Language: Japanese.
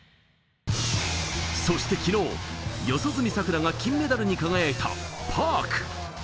そして昨日、四十住さくらが金メダルに輝いたパーク。